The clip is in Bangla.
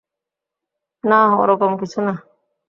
না, ওরকম কিছু না।